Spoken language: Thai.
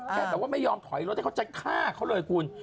แบบว่าไม่ยอมถอยรถให้เขาจะฆ่าเขาเลยคุณ